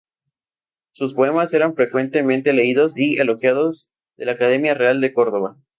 Sus poemas eran frecuentemente leídos y elogiados en la Academia Real de Córdoba.